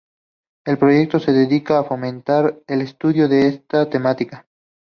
El proyecto se dedica a fomentar el estudio de esta temática.